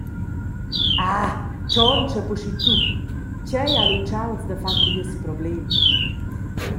Ah, tschontscha buc aschi tup, tgei han utschals da far cun nies problem?